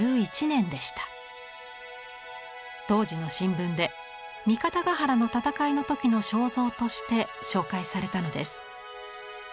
当時の新聞で三方ヶ原の戦いの時の肖像として紹介されたのです。